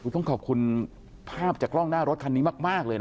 ต้องขอบคุณภาพจากกล้องหน้ารถคันนี้มากเลยนะ